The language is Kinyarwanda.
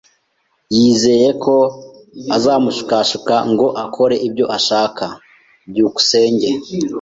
Yizeye ko azamushukashuka ngo akore ibyo ashaka. byukusenge